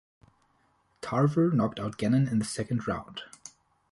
Tarver knocked out Gannon in the second round.